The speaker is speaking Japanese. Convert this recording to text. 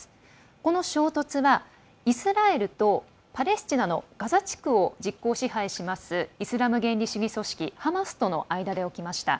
この衝突はイスラエルとパレスチナのガザ地区を実効支配しますイスラム原理主義組織ハマスとの間で起きました。